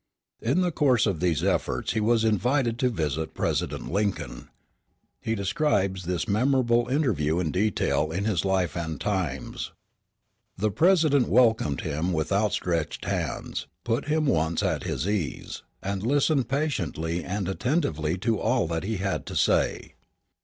In the course of these efforts he was invited to visit President Lincoln. He describes this memorable interview in detail in his Life and Times. The President welcomed him with outstretched hands, put him at once at his ease, and listened patiently and attentively to all that he had to say.